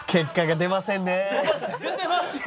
出てますよ！